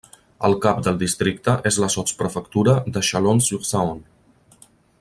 El cap del districte és la sotsprefectura de Chalon-sur-Saône.